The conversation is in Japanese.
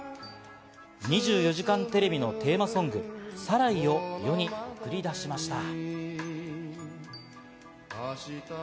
『２４時間テレビ』のテーマソング『サライ』を世に送り出しました。